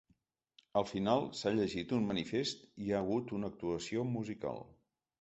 Al final, s’ha llegit un manifest i hi ha hagut una actuació musical.